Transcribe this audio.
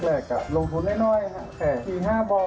ลงทุนเล็กนะครับปี๕บอล